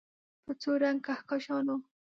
په څو رنګ کهکشانونه